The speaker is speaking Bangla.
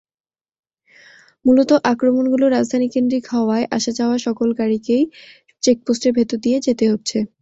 মূলত আক্রমণগুলো রাজধানীকেন্দ্রিক হওয়ায় আসা-যাওয়া সকল গাড়িকেই চেকপোস্টের ভেতর দিয়ে যেতে হচ্ছে।